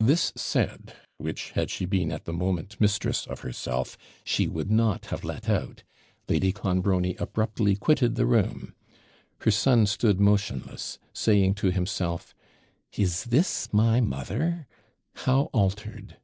This said which, had she been at the moment mistress of herself, she would not have let out Lady Clonbrony abruptly quitted the room. Her son stood motionless, saying to himself 'Is this my mother? How altered!'